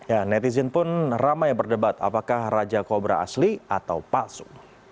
ya netizen pun ramai berdebat apakah raja kobra asli atau palsu